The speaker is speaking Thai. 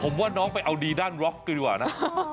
ผมว่าน้องไปเอาดีด้านล็อกกันดีกว่านะ